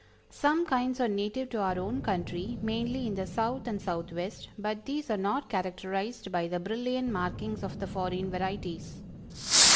Some kinds are native to our own country, mainly in the South and Southwest, but these are not characterized by the brilliant markings of the foreign varieties.